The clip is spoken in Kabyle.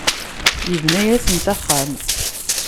Yebna-asent axxam.